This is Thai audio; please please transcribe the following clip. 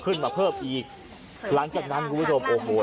ขึ้นมาเพิ่มอีกหลังจากนั้นคุณผู้ชมโอ้โห